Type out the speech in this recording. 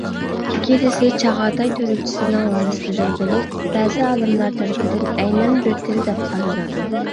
ئىككىلىسى چاغاتاي تۈركچىسىنىڭ ۋارىسلىرى بولۇپ، بەزى ئالىملار تەرىپىدىن ئەينەن بىر تىل دەپ قارىلىدۇ.